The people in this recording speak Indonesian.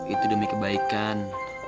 itu demi kebaikan